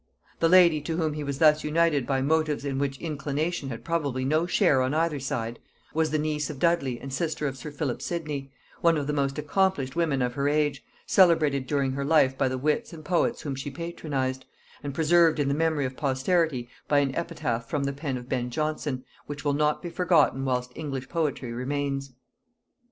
The lady to whom he was thus united by motives in which inclination had probably no share on either side, was the niece of Dudley and sister of sir Philip Sidney, one of the most accomplished women of her age, celebrated during her life by the wits and poets whom she patronized, and preserved in the memory of posterity by an epitaph from the pen of Ben Jonson which will not be forgotten whilst English poetry remains.